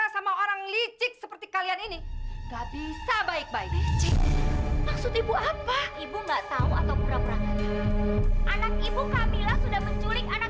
sampai jumpa di video selanjutnya